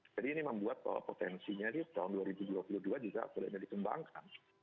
jadi ini membuat potensinya di tahun dua ribu dua puluh dua juga bolehnya dikembangkan